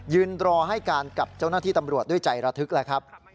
ยืนรอให้การกับเจ้าหน้าที่ตำรวจด้วยใจระทึกแล้วครับ